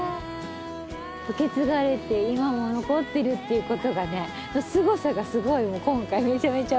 受け継がれて今も残ってるっていうことがねすごさがすごい今回めちゃめちゃ。